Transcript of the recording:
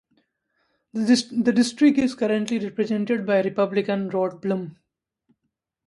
The district is currently represented by Republican Rod Blum.